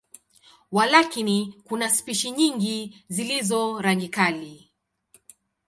Walakini, kuna spishi nyingi zilizo rangi kali.